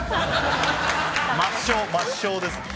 抹消抹消です。